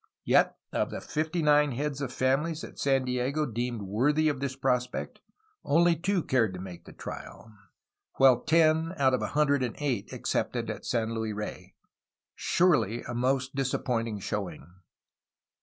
Yet, of the fifty nine heads of families at San Diego deemed worthy of this prospect, only two cared to make the trial, while ten out of a hundred and eight accepted at San Luis Rey, — surely a most disappointing showing.